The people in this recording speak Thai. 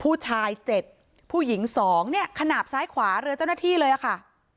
ผู้ชาย๗ผู้หญิง๒เนี่ยขนาดซ้ายขวาเรือเจ้าหน้าที่เลยอะค่ะ